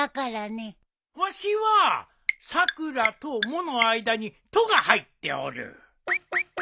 わしは「さくら」と「も」の間に「と」が入っておる。